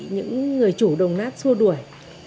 những người chủ đồng nát xua đuổi